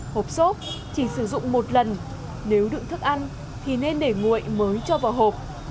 hộp xốp chỉ sử dụng một lần nếu đựng thức ăn thì nên để nguội mới cho vào hộp